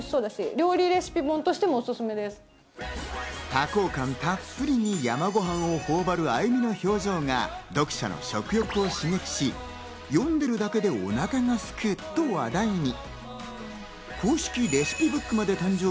多幸感たっぷりに山ごはんを頬張る鮎美の表情が読者の食欲を刺激し、読んでいるだけでお腹がすくと話題に。